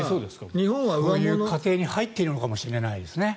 そういう過程に入っているのかもしれないですね。